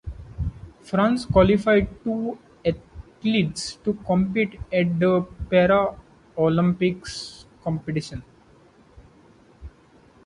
France qualified two athletes to compete at the Paralympics competition.